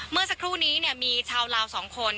เมื่อสักครู่นี้มีชาวลาว๒คน